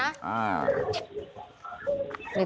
ตำรวจมาแล้วก้าวนั่งดื่มเบียอยู่ในร้านนะ